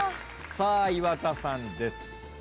さあ岩田さんです。